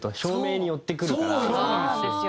そうなんですよ。